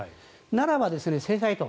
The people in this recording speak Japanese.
ならば制裁と。